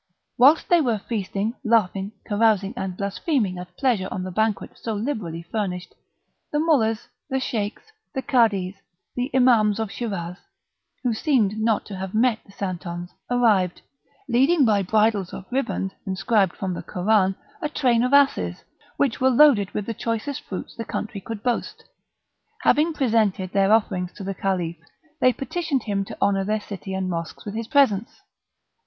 Whilst they were feasting, laughing, carousing, and blaspheming at pleasure on the banquet so liberally furnished, the Moullahs, the Sheiks, the Cadis and Imams of Schiraz (who seemed not to have met the Santons) arrived, leading by bridles of riband inscribed from the Koran, a train of asses, which were loaded with the choicest fruits the country could boast; having presented their offerings to the Caliph, they petitioned him to honour their city and mosques with his presence.